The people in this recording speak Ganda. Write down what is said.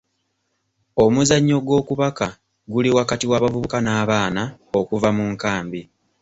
Omuzannyo gw'okubaka guli wakati w'abavubuka n'abaana okuva mu nkambi.